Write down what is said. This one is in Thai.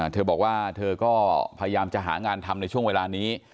เธอบอกว่าเธอก็พยายามจะหางานทำในช่วงเวลานี้